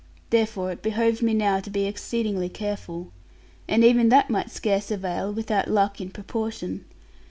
Therefore it behoved me now to be exceedingly careful, and even that might scarce avail, without luck in proportion.